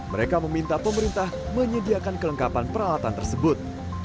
mereka meminta pemerintah menyediakan kelengkapan peralatan tersebut